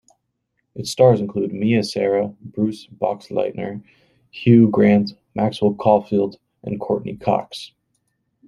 Its stars include Mia Sara, Bruce Boxleitner, Hugh Grant, Maxwell Caulfield, and Courteney Cox.